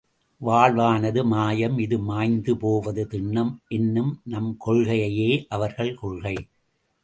வாழ்வானது மாயம் இது மாய்ந்து போவது திண்ணம் என்னும் நம் கொள்கையே அவர்கள் கொள்கை.